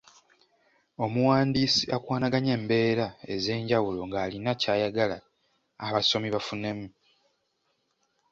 Omuwandiisi akwanaganya embeera ez'enjawulo ng'alina ky'ayagala abasomi bafunemu.